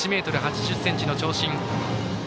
１ｍ８０ｃｍの長身。